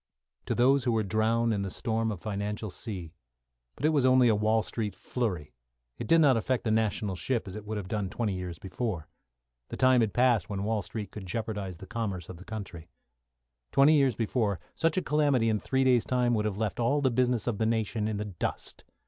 To those who were drowned in the storm of financial sea. But it was only a Wall Street flurry; it did not affect the national ship as it would have done twenty years before. The time had passed when Wall Street could jeopardise the commerce of the country. Twenty years before, such a calamity in three days' time would have left all the business of the nation in the dust.